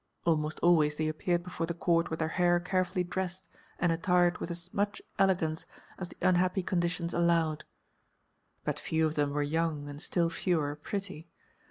Almost always they appeared before the court with their hair carefully dressed and attired with as much elegance as the unhappy conditions allowed. But few of them were young and still fewer pretty.